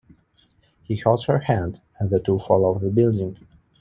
He holds her hand and the two fall off the building.